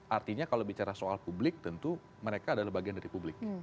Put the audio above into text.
artinya kalau bicara soal publik tentu mereka adalah bagian dari publik